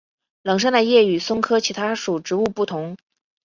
冷杉的叶与松科其他属植物不同。